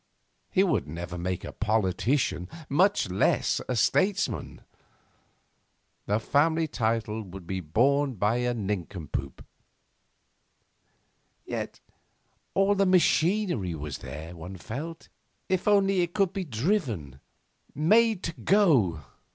He would never make a politician, much less a statesman. The family title would be borne by a nincompoop. Yet all the machinery was there, one felt if only it could be driven, made to go.